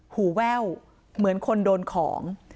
หูแว่วเหมือนคนโดนของ